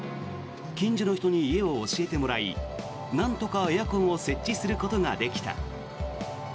近所に人に家を教えてもらいなんとかエアコンを設置することができた。